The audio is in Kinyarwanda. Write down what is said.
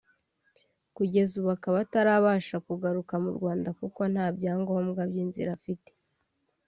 kugeza ubu akaba atarabasha kugaruka mu Rwanda kuko nta byangombwa by’inzira afite